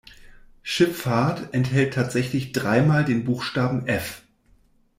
Schifffahrt enthält tatsächlich dreimal den Buchstaben F.